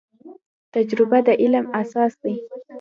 تجربه د علم اساس دی